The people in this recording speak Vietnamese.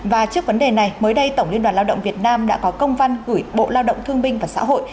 và trước vấn đề này mới đây tổng liên đoàn lao động việt nam đã có công văn gửi bộ lao động thương binh và xã hội